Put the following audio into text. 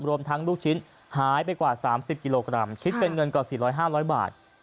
รวมทั้งลูกชิ้นหายไปกว่า๓๐กิโลกรัมคิดเป็นเงินกว่า๔๐๐๕๐๐บาท